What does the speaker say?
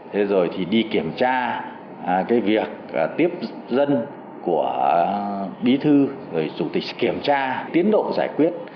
thế rồi thì đi kiểm tra cái việc tiếp dân của bí thư rồi chủ tịch kiểm tra tiến độ giải quyết